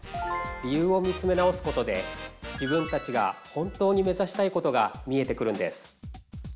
理由を見つめ直すことで自分たちが本当に目指したいことが見えてくるんです。